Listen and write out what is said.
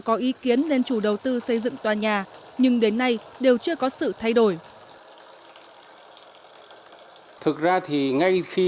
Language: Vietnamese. có ý kiến lên chủ đầu tư xây dựng tòa nhà nhưng đến nay đều chưa có sự thay đổi